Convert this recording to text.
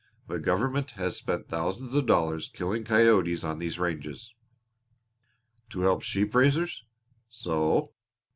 The government has spent thousands of dollars killing coyotes on these ranges." "To help the sheep raisers?" "So."